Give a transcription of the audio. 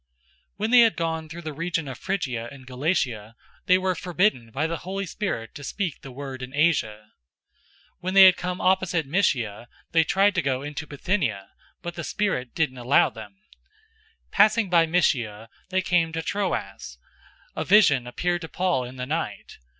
016:006 When they had gone through the region of Phrygia and Galatia, they were forbidden by the Holy Spirit to speak the word in Asia. 016:007 When they had come opposite Mysia, they tried to go into Bithynia, but the Spirit didn't allow them. 016:008 Passing by Mysia, they came down to Troas. 016:009 A vision appeared to Paul in the night.